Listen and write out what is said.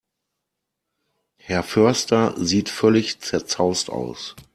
Herr Förster sieht völlig zerzaust aus.